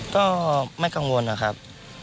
ก็ไม่กังวลนะครับ